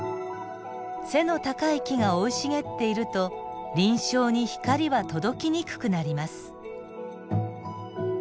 背の高い木が生い茂っていると林床に光は届きにくくなります。